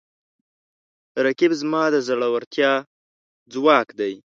رقیب زما د زړورتیا ځواک دی